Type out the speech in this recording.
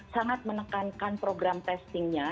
sangat menekankan program testingnya